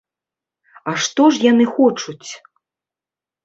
А што ж яны хочуць?